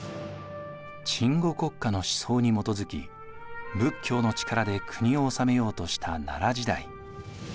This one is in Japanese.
鎮護国家の思想に基づき仏教の力で国を治めようとした奈良時代。